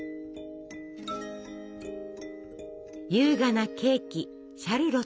優雅なケーキシャルロット。